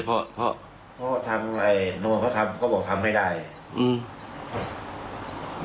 สุดท้ายจะไปอาจารย์ธัรน์และโรงพยาบาลไป